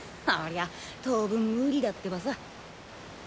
ありゃあ当分無理だってばさ。